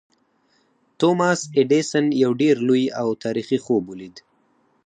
توماس ایډېسن یو ډېر لوی او تاریخي خوب ولید